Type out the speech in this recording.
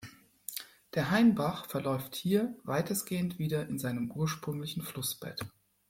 Der Hainbach verläuft hier weitestgehend wieder in seinem ursprünglichen Flussbett.